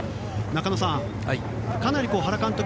中野さんかなり原監督